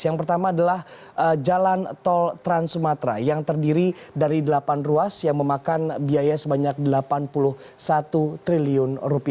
yang pertama adalah jalan tol trans sumatera yang terdiri dari delapan ruas yang memakan biaya sebanyak rp delapan puluh satu triliun